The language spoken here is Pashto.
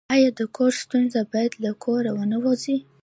آیا د کور ستونزه باید له کوره ونه وځي؟